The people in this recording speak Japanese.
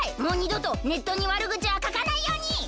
もうにどとネットにわるぐちはかかないように！